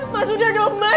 mas udah dong mas